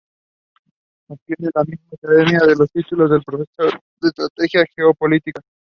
Obtiene en la misma Academia los títulos de Profesor de Estrategia y Geopolítica.